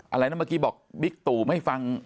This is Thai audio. อะไรนะเมื่อกี้บอกบิ๊กตู่ไม่ฟัง